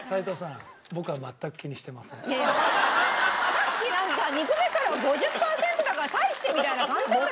さっきなんか「２個目からは５０パーセントだから大して」みたいな感じだった！